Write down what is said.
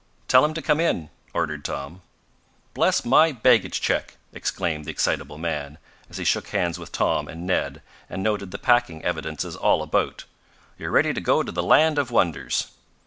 "Tell him to come in," ordered Tom. "Bless my baggage check!" exclaimed the excitable man, as he shook hands with Tom and Ned and noted the packing evidences all about. "You're ready to go to the land of wonders."